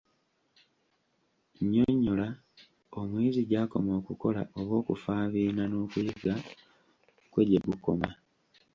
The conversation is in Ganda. Nnyonnyola: Omuyizi gy'akomya okukola oba okufaabiina n'okuyiga kwe gye kukoma.